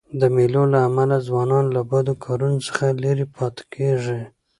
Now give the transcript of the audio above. د مېلو له امله ځوانان له بدو کارو څخه ليري پاته کېږي.